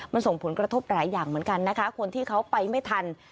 มันส่งผลกระทบหลายอย่างเหมือนกันนะคะคนที่เขาไปไม่ทัน